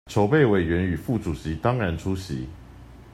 籌備委員與副主席當然出席